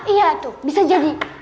iya tuh bisa jadi